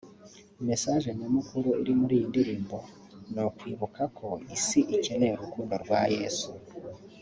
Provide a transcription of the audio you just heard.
Message nyamukuru iri muri iyi ndirimbo ni ukwibuka ko Isi ikeneye urukundo rwa Yesu